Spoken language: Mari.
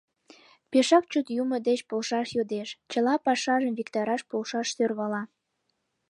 Пешак чот Юмо деч полшаш йодеш, чыла пашажым виктараш полшаш сӧрвала.